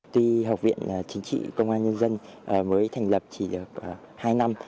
tuy học viện chính trị công an nhân dân mới thành lập chỉ được hai năm